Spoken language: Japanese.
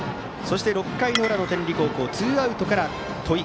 ６回の裏の天理高校ツーアウトから戸井。